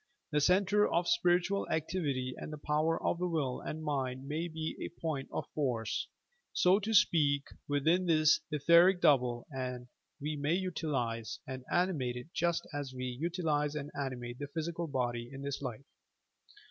The centre of spiritual activity and the power of the will and mind may be a point of force, so to speak, within this etheric double and we may utilize and animate it just as we utilize and animate the physical body in this life.